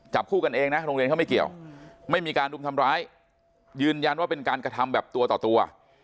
คู่กันเองนะโรงเรียนเขาไม่เกี่ยวไม่มีการรุมทำร้ายยืนยันว่าเป็นการกระทำแบบตัวต่อตัว